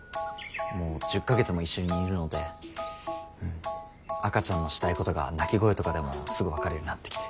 もう１０か月も一緒にいるので赤ちゃんのしたいことが泣き声とかでもすぐ分かるようになってきて。